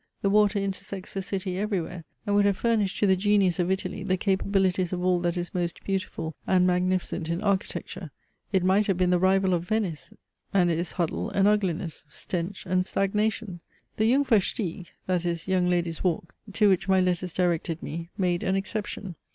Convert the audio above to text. The water intersects the city everywhere, and would have furnished to the genius of Italy the capabilities of all that is most beautiful and magnificent in architecture. It might have been the rival of Venice, and it is huddle and ugliness, stench and stagnation. The Jungfer Stieg, (that is, Young Ladies' Walk), to which my letters directed me, made an exception.